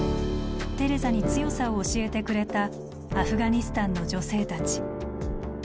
テレザに強さを教えてくれたアフガニスタンの女性たち。